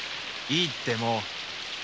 いいってもう。